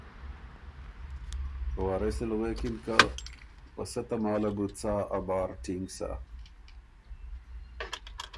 وارث ال غوېکِن که ”په سۀ تماله بُو څا ا بار ټینګ سۀ؟“